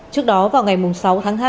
trước đó vào ngày sáu tháng hai